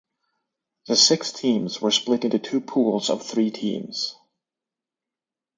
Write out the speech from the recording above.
The six teams were split into two pools of three teams.